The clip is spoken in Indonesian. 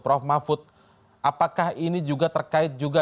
prof mahfud apakah ini juga terkait juga